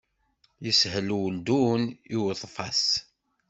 Yeshel uldun i uḍfas.